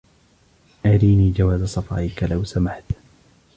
أريني جواز سفرك ، لو سمحت.